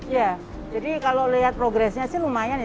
ya jadi kalau lihat progresnya sih lumayan ya